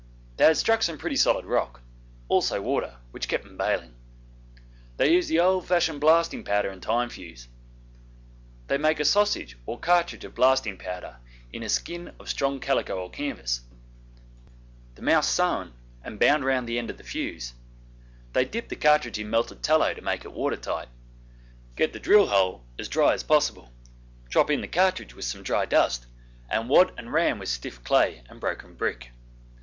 They had struck some pretty solid rock, also water which kept them baling. They used the old fashioned blasting powder and time fuse. They'd make a sausage or cartridge of blasting powder in a skin of strong calico or canvas, the mouth sewn and bound round the end of the fuse; they'd dip the cartridge in melted tallow to make it water tight, get the drill hole as dry as possible, drop in the cartridge with some dry dust, and wad and ram with stiff clay and broken brick.